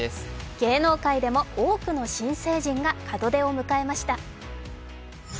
芸能界でも多くの新成人が門出を迎えました。